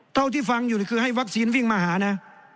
เท่าที่ฟังอยู่นี่คือให้วัคซีนวิ่งมาหานะ